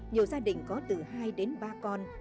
nhiều gia đình có từ hai đến ba con